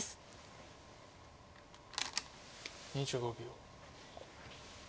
２５秒。